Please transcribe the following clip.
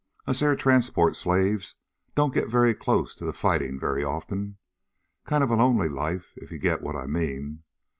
Us Air Transport slaves don't get very close to the fighting very often. Kind of a lonely life, if you get what I mean?